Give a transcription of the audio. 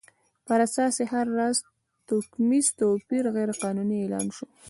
پر اساس یې هر راز توکمیز توپیر غیر قانوني اعلان شو.